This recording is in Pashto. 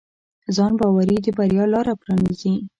ځانباوري د بریا لاره پرانیزي.